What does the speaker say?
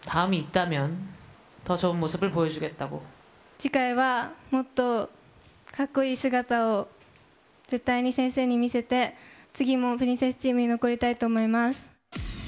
次回は、もっとかっこいい姿を絶対に先生に見せて、次もプリンセスチームに残りたいと思います。